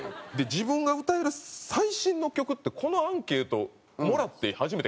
自分が歌える最新の曲ってこのアンケートもらって初めて考えたんですけど。